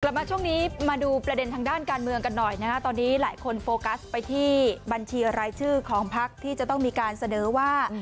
มาช่วงนี้มาดูประเด็นทางด้านการเมืองกันหน่อยนะฮะตอนนี้หลายคนโฟกัสไปที่บัญชีรายชื่อของพักที่จะต้องมีการเสนอว่า